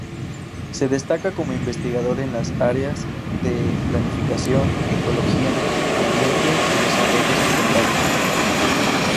Se destaca como investigador en las áreas de Planificación, Ecología, Ambiente y desarrollo sustentable.